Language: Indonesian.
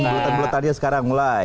buletan buletannya sekarang mulai